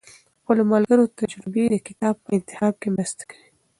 د خپلو ملګرو تجربې د کتاب په انتخاب کې مرسته کوي.